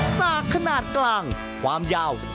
สากมองคลค่ะ